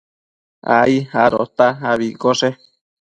ai adota abi iccoshe